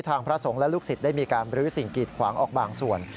พระสงฆ์และลูกศิษย์ได้มีการบรื้อสิ่งกีดขวางออกบางส่วน